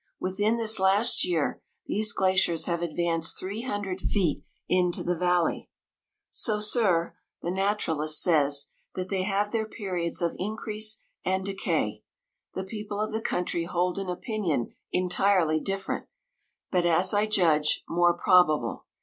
Within this last year, these glaciers have ad vanced three hundred feet into the val ley. Saussure, the naturalist, says, that they have their periods of increase and decay : the people of the country hold an opinion entirely different; but as I 161 judge, more probable.